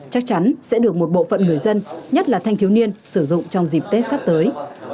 chắc chắn sẽ được một bộ phận người dân nhất là thanh thiếu niên sử dụng trong dịp tết sắp tới